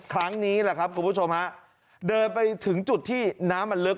ครั้งนี้แหละครับคุณผู้ชมฮะเดินไปถึงจุดที่น้ำมันลึก